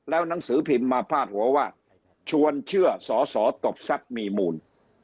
แล้วหนังสือพิมพ์มาพาดหัวว่าชวนเชื่อสอตบซัดมีมูล